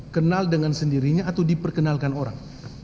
kenal dengan sendirinya atau diperkenalkan orang